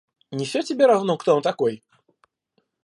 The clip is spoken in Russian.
Не все тебе равно, кто он такой?